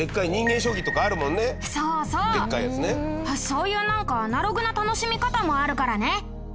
そういうなんかアナログな楽しみ方もあるからね。